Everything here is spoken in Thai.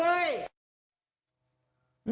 รักห่อ